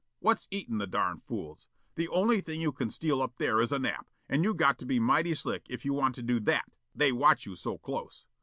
What's eatin' the darn fools? The only thing you can steal up there is a nap, and you got to be mighty slick if you want to do that, they watch you so close.